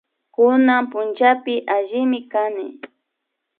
Kunan punllapi allimi kani